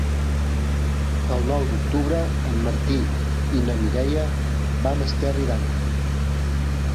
El nou d'octubre en Martí i na Mireia van a Esterri d'Àneu.